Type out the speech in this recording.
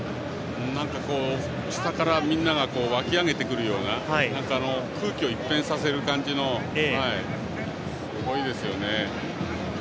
下からみんなが沸き上げてくるような空気をいっぺんさせる感じが多いですよね。